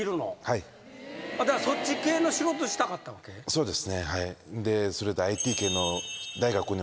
そうですね。